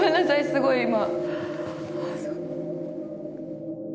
すごい今。